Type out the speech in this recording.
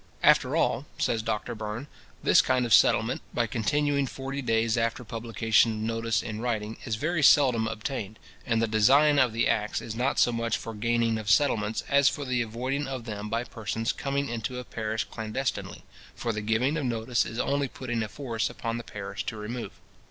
"After all," says Doctor Burn, "this kind of settlement, by continuing forty days after publication of notice in writing, is very seldom obtained; and the design of the acts is not so much for gaining of settlements, as for the avoiding of them by persons coming into a parish clandestinely, for the giving of notice is only putting a force upon the parish to remove.